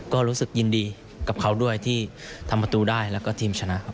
ก็รู้สึกยินดีกับเขาด้วยที่ทำประตูได้แล้วก็ทีมชนะครับ